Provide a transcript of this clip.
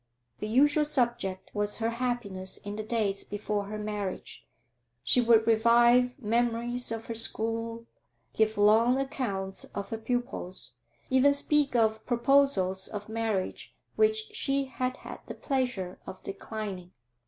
The usual subject was her happiness in the days before her marriage; she would revive memories of her school, give long accounts of her pupils, even speak of proposals of marriage which she had had the pleasure of declining.